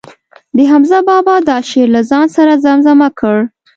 د حمزه بابا دا شعر له ځان سره زمزمه کړ.